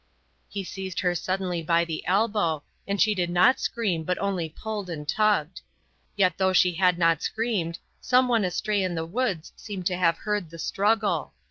He seized her suddenly by the elbow; and she did not scream but only pulled and tugged. Yet though she had not screamed, someone astray in the woods seemed to have heard the struggle.